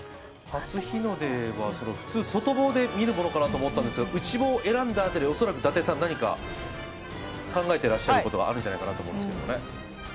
初日の出は普通、外房で見るものかなと思ったんですが、内房を選んだ辺り、恐らく達さん何か考えていらっしゃることがあるんじゃないかなと思うんですけどね。